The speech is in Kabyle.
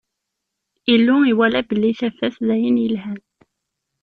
Illu iwala belli tafat d ayen yelhan.